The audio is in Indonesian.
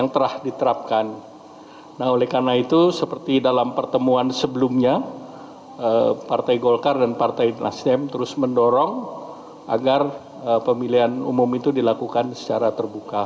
terdapat dukungan dari pks dan demokrat